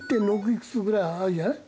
いくつぐらいあるじゃない。